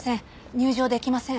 入場できません。